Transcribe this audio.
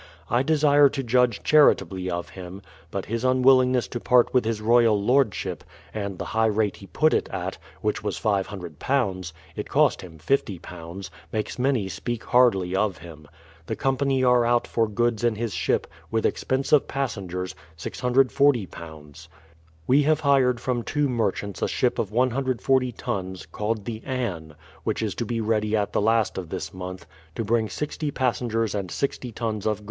I desire to judge charitably of him ; but his unwillingness to part with his royal lordship, and the high rate he put it at, which was £500, — it cost him £50, — makes many speak hardly of him. The company are out for goods in his ship, with expense of passengers, £640. ... We have hired from two merchants a ship of 140 tons, called the Anne, which is to be ready the last of this month, to bring sixty passengers and 60 tons of goods.